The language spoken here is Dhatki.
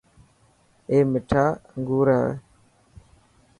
اي مٺا انگور هي.